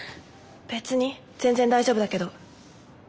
別に全然大丈夫だけど。